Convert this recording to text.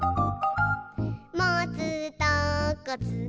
「もつとこつけて」